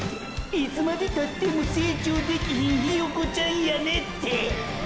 いつまでたっても成長できひんヒヨコちゃんやねて！！